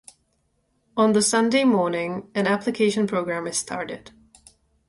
On the Sunday morning an application program is started.